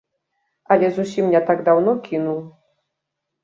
Але зусім не так даўно кінуў.